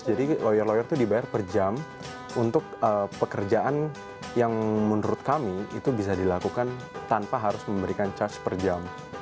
jadi lawyer lawyer itu dibayar per jam untuk pekerjaan yang menurut kami itu bisa dilakukan tanpa harus memberikan charge per jam